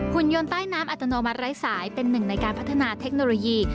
คุณยนต์ใต้น้ำอัตโนมัติไร้สายเป็นหนึ่งในการพัฒนาเทคโนโลยี